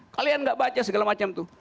kalian tidak baca segala macam itu